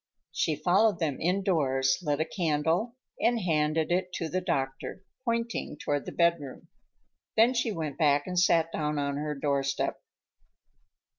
She followed them indoors, lit a candle and handed it to the doctor, pointing toward the bedroom. Then she went back and sat down on her doorstep.